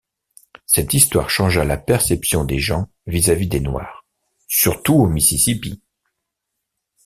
Cette histoire changea la perception des gens vis-à-vis des noirs, surtout au Mississippi.